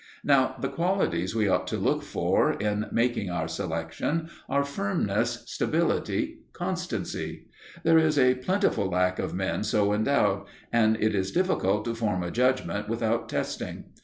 Now the qualities we ought to look out for in making our selection are firmness, stability, constancy. There is a plentiful lack of men so endowed, and it is difficult to form a judgment without testing.